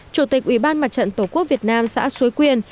chủ tịch ủy ban mặt trận tổ quốc việt nam xã xuối quyền